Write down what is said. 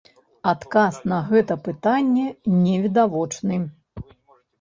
Адказ на гэта пытанне невідавочны.